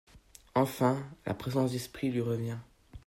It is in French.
Enfin la présence d'esprit lui revint.